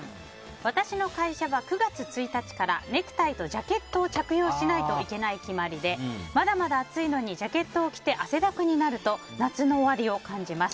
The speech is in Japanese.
私の会社は９月１日からネクタイとジャケットを着用しないといけない決まりでまだまだ暑いのにジャケットを着て汗だくになると夏の終わりを感じます。